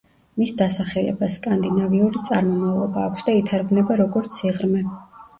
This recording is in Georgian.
მის დასახელებას სკანდინავიური წარმომავლობა აქვს და ითარგმნება როგორც „სიღრმე“.